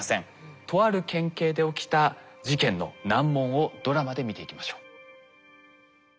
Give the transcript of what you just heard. とある県警で起きた事件の難問をドラマで見ていきましょう。